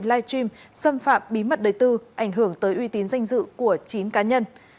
livestream xâm phạm bí mật đời tư ảnh hưởng tới uy tín danh dự của chín cá nhân